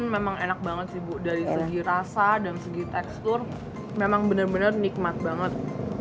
memang enak banget sih bu dari segi rasa dan segi tekstur memang benar benar nikmat banget